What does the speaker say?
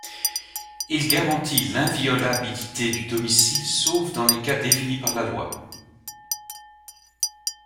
Il garantit l'inviolabilité du domicile sauf dans les cas définis par la loi.